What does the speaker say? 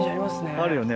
あるよね